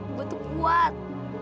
gue tuh kuat